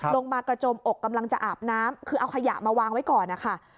ลงมากระจมอกกำลังจะอาบน้ำคือเอาขยะมาวางไว้ก่อนนะคะ